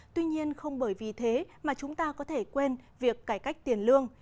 tuy nhiên không bởi vì thế mà chúng ta có thể quên việc cải cách tiền lương